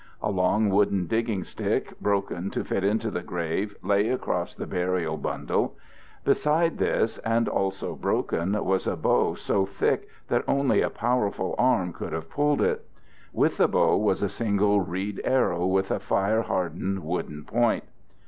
A long wooden digging stick, broken to fit into the grave, lay across the burial bundle. Beside this, and also broken, was a bow so thick that only a powerful arm could have pulled it. With the bow was a single reed arrow with a fire hardened wooden point.